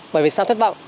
bởi vì sao thất vọng